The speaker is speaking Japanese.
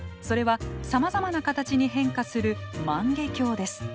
それはさまざまな形に変化する万華鏡です。